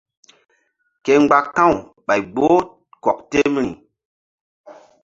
Ke mgba ka̧w ɓay gboh kɔk temri.